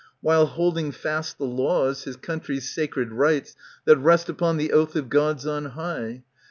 While holding fast the laws, His country's sacred rights, That rest upon the oath of Gods on high.